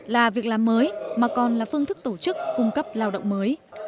là việc làm mới mà còn là phương thức tổ chức cung cấp lao động mới